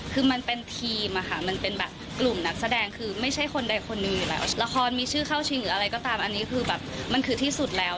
คือมันเป็นทีมอะค่ะมันเป็นแบบกลุ่มนักแสดงคือไม่ใช่คนใดคนหนึ่งอยู่แล้วละครมีชื่อเข้าชิงหรืออะไรก็ตามอันนี้คือแบบมันคือที่สุดแล้ว